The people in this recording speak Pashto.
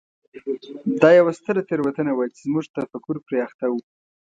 دا یوه ستره تېروتنه وه چې زموږ تفکر پرې اخته و.